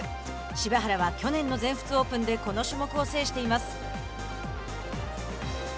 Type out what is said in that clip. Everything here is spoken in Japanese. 柴原は去年の全仏オープンでこの種目を制しています。